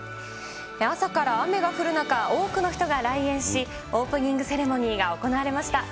朝から雨が降る中、多くの人が来園し、オープニングセレモニーが行われました。